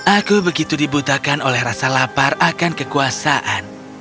aku begitu dibutakan oleh rasa lapar akan kekuasaan